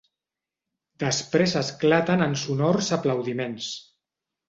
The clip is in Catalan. Després esclaten en sonors aplaudiments.